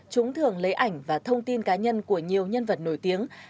chúng thường lấy ảnh và thông tin cá nhân của nhiều nhân vật nổi tiếng